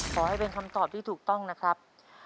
ขอให้เป็นคำตอบที่ถูกต้องนะครับ